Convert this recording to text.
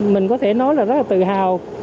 mình có thể nói là rất là tự hào